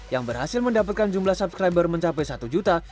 yang berhasil mendapatkan jumlah subscriber mencapai satu juta